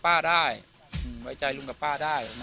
วันนี้ก็จะเป็นสวัสดีครับ